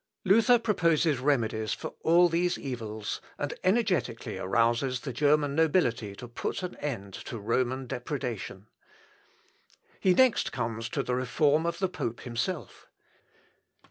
Luther proposes remedies for all these evils, and energetically arouses the German nobility to put an end to Roman depredation. He next comes to the reform of the pope himself.